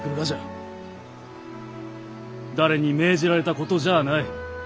誰に命じられたことじゃあない。